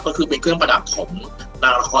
ก็คือเป็นเครื่องประดับของนางละคร